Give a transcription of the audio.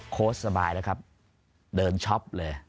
โค้ชสบายแล้วครับเดินช็อปเลย